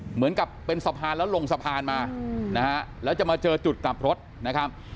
เหมือนกับเป็นสะพานแล้วลงสะพานมานะฮะแล้วจะมาเจอจุดกลับรถนะครับ